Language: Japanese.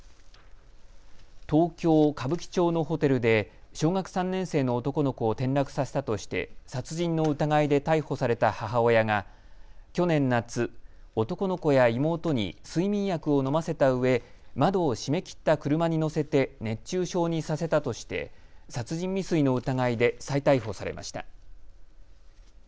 東京歌舞伎町のホテルで小学３年生の男の子を転落させたとして殺人の疑いで逮捕された母親が去年夏、男の子や妹に睡眠薬を飲ませたうえ窓を閉めきった車に乗せて熱中症にさせたとして殺人未遂の疑いで再逮捕されました。